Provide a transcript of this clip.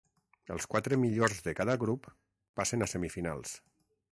Els quatre millors de cada grup passen a semifinals.